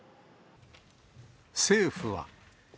政府は。